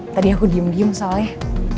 tadi aku diem diem soalnya